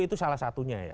itu salah satunya ya